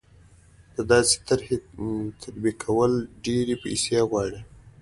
د داسې طرحې تطبیقول ډېرې پیسې غواړي.